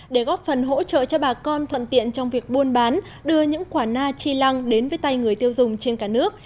để góp phần hỗ trợ cho bà con thuận tiện trong việc buôn bán đưa những quả na chi lăng đến với tay người tiêu dùng trên cả nước